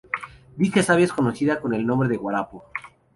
Dicha savia es conocida con el nombre de guarapo.